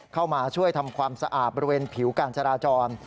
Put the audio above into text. เข้ามาช่วยทำความสะอาดบริเวณผิวการจราจร